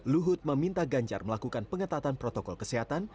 luhut meminta ganjar melakukan pengetatan protokol kesehatan